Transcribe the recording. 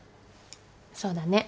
そうだね。